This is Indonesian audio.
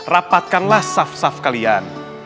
rapatkanlah saf saf kalian